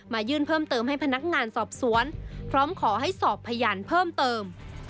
ยื่นเพิ่มเติมให้พนักงานสอบสวนพร้อมขอให้สอบพยานเพิ่มเติม